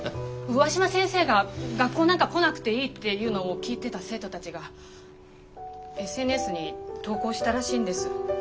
上嶋先生が学校なんか来なくていいって言うのを聞いてた生徒たちがＳＮＳに投稿したらしいんです。